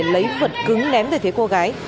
lấy vật cứng ném về thế cô gái